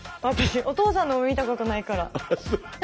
私お父さんのも見たことないから。